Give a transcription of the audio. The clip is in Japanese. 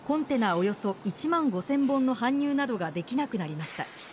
およそ１万５０００本の搬入などができなくなりました。